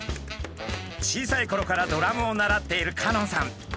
小さいころからドラムを習っている香音さん。